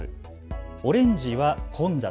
オレンジは混雑。